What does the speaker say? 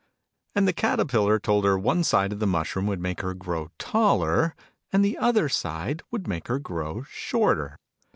And the Caterpillar told her one side of the mushroom would make her grow taller, and the other side would make her grow shorter.